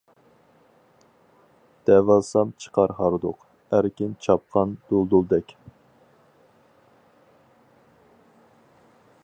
دەۋالسام چىقار ھاردۇق، ئەركىن چاپقان دۇلدۇلدەك.